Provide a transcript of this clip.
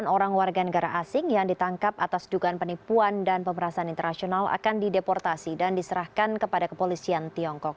satu ratus empat puluh delapan orang warga negara asing yang ditangkap atas dugaan penipuan dan pemerasaan internasional akan dideportasi dan diserahkan kepada kepolisian tiongkok